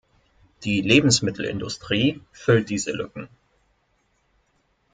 Die Lebensmittelindustrie füllt diese Lücken.